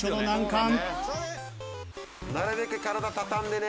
なるべく体たたんでね。